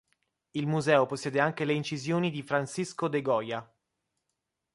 Il museo possiede anche le incisioni di Francisco de Goya.